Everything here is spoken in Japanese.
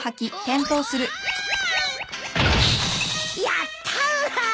やったー！